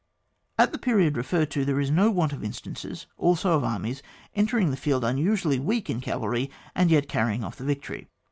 At the period referred to there is no want of instances, also of armies entering the field unusually weak in cavalry, and yet carrying ofi* the victory.